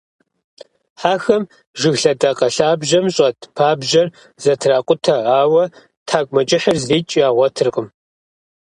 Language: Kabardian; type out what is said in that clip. Хьэхэм жыг лъэдакъэ лъабжьэм щӀэт пабжьэр зэтракъутэ, ауэ тхьэкӀумэкӀыхьыр зикӀ ягъуэтыркъым.